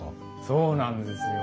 そうなんですよ。